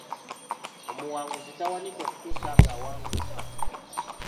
Omuwanguzi tawanika, okutuusa ng’awangudde.